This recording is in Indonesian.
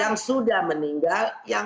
yang sudah meninggal